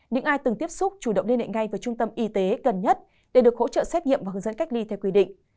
những ai từng tiếp xúc chủ động liên hệ ngay với trung tâm y tế gần nhất để được hỗ trợ xét nghiệm và hướng dẫn cách ly theo quy định